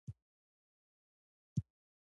باز خپلې سترګې له هېواده پټوي